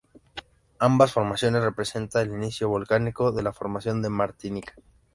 Ambas formaciones representan el inicio volcánico de la formación de Martinica.